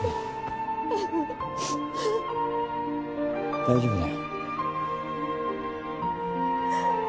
大丈夫だよ。